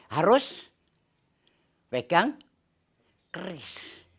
harus pegang keris